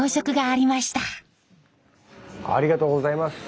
ありがとうございます。